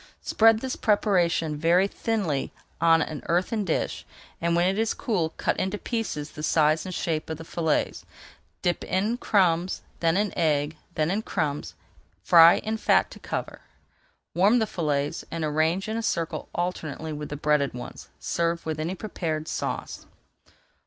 Spread this preparation very thinly on an earthen dish, and when it is cool cut into pieces the size and shape of the fillets; dip in crumbs, then in egg, then in crumbs, and fry in fat to cover. Warm the fillets and arrange in a circle alternately with the breaded ones. Serve with any preferred sauce.